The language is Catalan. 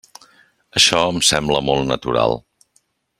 Això em sembla molt natural.